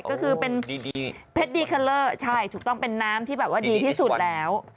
ก็คือเป็นเพชรดีคอลเลอร์ถูกต้องเป็นน้ำที่ดีที่สุดแล้ว